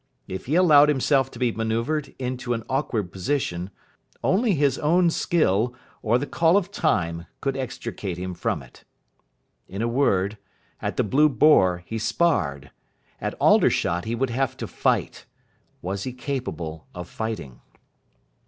If he allowed himself to be manoeuvred into an awkward position, only his own skill, or the call of time, could extricate him from it. In a word, at the "Blue Boar" he sparred. At Aldershot he would have to fight. Was he capable of fighting?